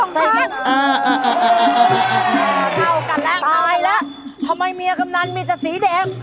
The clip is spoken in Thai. ทำไมเมียกำนั้นมีจัดสีแดง